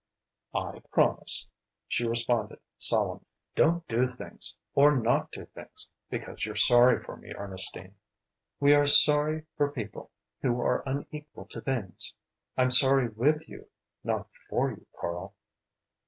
"I promise," she responded solemnly. "Don't do things or not do things because you're sorry for me, Ernestine." "We are 'sorry for' people who are unequal to things. I'm sorry with you, not for you, Karl."